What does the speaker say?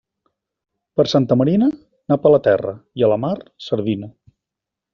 Per Santa Marina, nap a la terra, i a la mar, sardina.